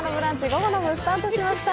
午後の部スタートしました。